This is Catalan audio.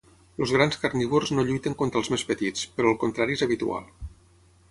Els grans carnívors no lluiten contra els més petits, però el contrari és habitual.